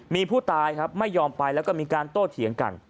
มีผู้ตายครับไม่ยอมไปแล้วก็มีการโต้เถียงกัน